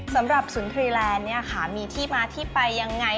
สำหรับสุนทรีแลนด์เนี่ยค่ะมีที่มาที่ไปยังไง